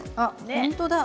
本当だ。